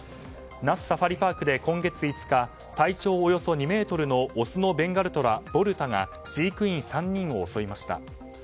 那須サファリパークで今月５日、体長およそ２ｍのオスのベンガルトラ、ボルタが飼育員３人を襲いました。